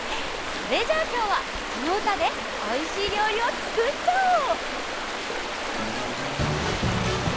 それじゃあきょうはこのうたでおいしいりょうりをつくっちゃおう！